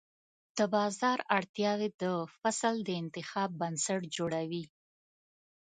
د بازار اړتیاوې د فصل د انتخاب بنسټ جوړوي.